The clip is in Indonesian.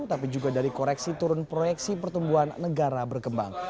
tapi juga dari koreksi turun proyeksi pertumbuhan negara berkembang